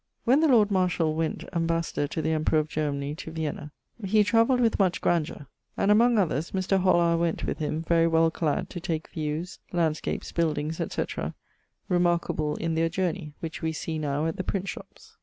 When the Lord Marshall went ambassador to the Emperor of Germany to Vienna, he travelld with much grandeur; and among others, Mr. Hollar went with him (very well clad) to take viewes, landskapes, buildings, etc. remarqueable in their journey, which wee see now at the print shopps.